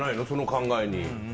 その考えに。